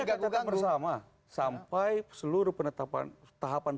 kami akan tetap bersama sampai seluruh tahapan pembangunan ini